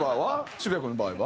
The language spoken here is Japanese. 渋谷君の場合は？